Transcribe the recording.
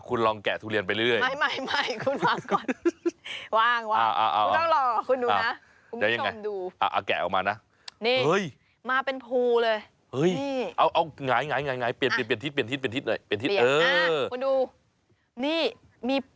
รสชาติอร่อยคุณเคยชิมหมาไหมว่ารสชาติเป็นไง